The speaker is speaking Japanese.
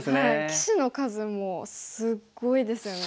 棋士の数もすごいですよね。